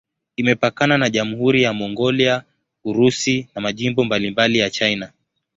Imepakana na Jamhuri ya Mongolia, Urusi na majimbo mbalimbali ya China.